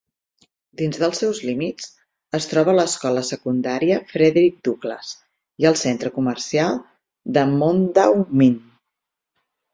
Dins dels seus límits es troba l'escola secundària Frederick Douglass i el centre comercial de Mondawmin.